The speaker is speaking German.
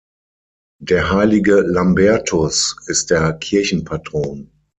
Der heilige Lambertus ist der Kirchenpatron.